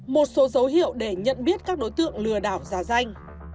một số dấu hiệu để nhận biết các đối tượng lừa đảo giả danh